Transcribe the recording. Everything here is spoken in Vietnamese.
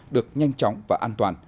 được nhanh chóng và an toàn